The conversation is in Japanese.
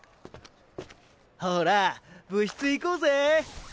ほら部室行こうぜ。